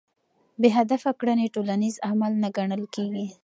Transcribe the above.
بې هدفه کړنې ټولنیز عمل نه ګڼل کېږي.